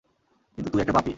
কিন্তু তুই একটা পাপী।